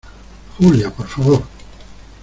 Julia, por favor.